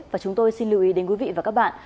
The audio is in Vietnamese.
và chúng tôi xin lưu ý đến quý vị và các bạn